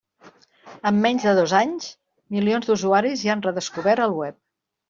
En menys de dos anys, milions d'usuaris ja han redescobert el web.